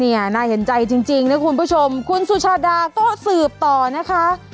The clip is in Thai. น่าเห็นใจจริงนะคุณผู้ชมคุณสุชาดาก็สืบต่อนะคะ